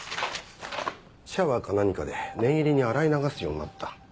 シャワーか何かで念入りに洗い流すようになった。